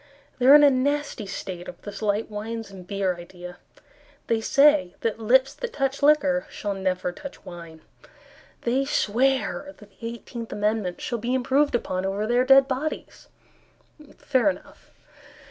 They are in a nasty state over this light wines and beer idea; They say that lips that touch liquor Shall never touch wine. They swear that the Eighteenth Amendment Shall be improved upon Over their dead bodies Fair enough!